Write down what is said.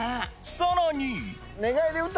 さらに！